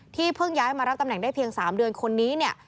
เพิ่งย้ายมารับตำแหน่งได้เพียง๓เดือนคนนี้เนี่ย